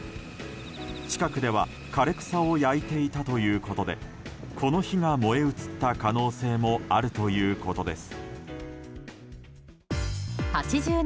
近くでは枯れ草を焼いていたということでこの火が燃え移った可能性もあるということです。